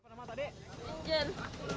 apa nama adek